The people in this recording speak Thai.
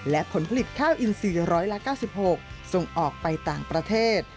และผลผลิตข้าวอินซี๑๙๖ส่งออกไปต่างประเทศ